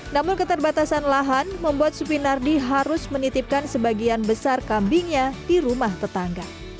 namun keterbatasan lahan membuat supinardi harus menitipkan sebagian besar kambingnya di rumah tetangga